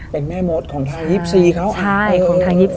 เป็นแม่มดของทาง๒๔เขา